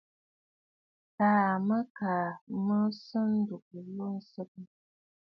Taà mə kaa mə̀ sɨ̌ ndúgú lô ǹsɨgə.